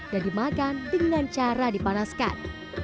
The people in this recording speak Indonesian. dan dimakan dengan cara dipanaskan